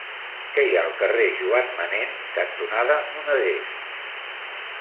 Què hi ha al carrer Joan Manén cantonada Moneders?